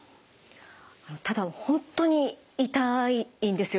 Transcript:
ただ本当に痛いんですよ